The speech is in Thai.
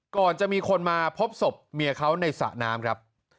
ก่อนจะมีคนมาพบศพเมียเขาในสระน้ำครับ